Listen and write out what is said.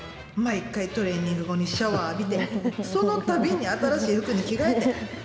毎回トレーニング後にシャワー浴びて、そのたびに新しい服に着替えて。